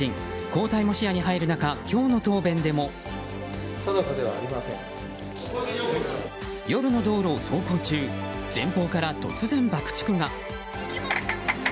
交代も視野に入る中夜の道路を走行中前方から突然、爆竹が。